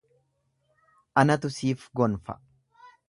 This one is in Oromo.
Anatu siif gonfa